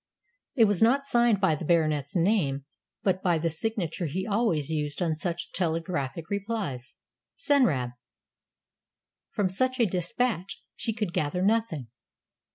It was not signed by the Baronet's name, but by the signature he always used on such telegraphic replies: "Senrab." From such a despatch she could gather nothing.